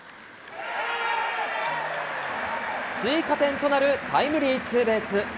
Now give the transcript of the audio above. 追加点となるタイムリーツーベース。